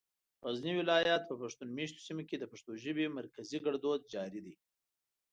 غزني ولايت په پښتون مېشتو سيمو کې د پښتو ژبې مرکزي ګړدود جاري دی.